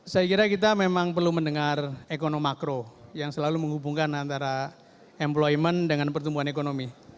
saya kira kita memang perlu mendengar ekonomi makro yang selalu menghubungkan antara employment dengan pertumbuhan ekonomi